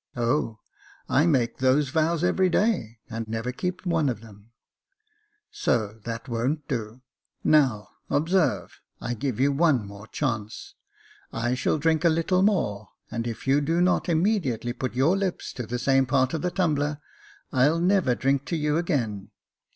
" O ! I make those vows every day, and never keep one of them ; so that won't do. Now, observe, I give you one more chance. I shall drink a little more, and if you do not immediately put your lips to the same part of the tumbler, I'll never drink to you again."